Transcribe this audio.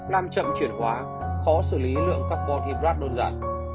nam chậm chuyển hóa khó xử lý lượng carbon hydrate đơn giản